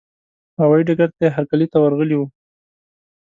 هوايي ډګر ته یې هرکلي ته ورغلي وو.